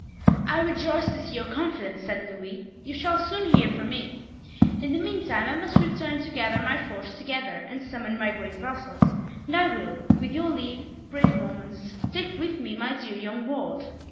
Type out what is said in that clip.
"I rejoice to see your confidence," said Louis. "You shall soon hear from me. In the meantime I must return to gather my force together, and summon my great vassals, and I will, with your leave, brave Normans, take with me my dear young ward.